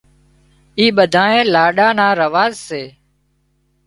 اِي ٻڌائي لاڏا نا رواز سي